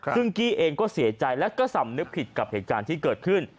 ซึ่งกี้เองก็เสียใจและก็สำนึกผิดกับเหตุการณ์ที่เกิดขึ้น